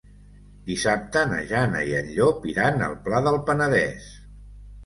Dissabte na Jana i en Llop iran al Pla del Penedès.